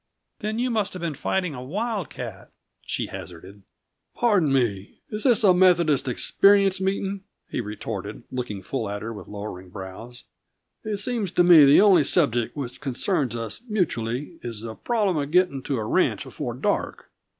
"Then you must have been fighting a wildcat," she hazarded. "Pardon me; is this a Methodist experience meeting?" he retorted, looking full at her with lowering brows. "It seems to me the only subject which concerns us mutually is the problem of getting to a ranch before dark."